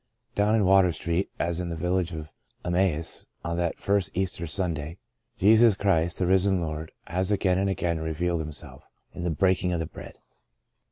Down in Water Street, as in the village of Emmaus on that first Easter Sunday, Jesus Christ, the risen Lord, has again and again revealed Himself " in the breaking of the bread.'